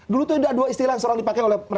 dulu tuh ada dua istilah yang serang dipakai oleh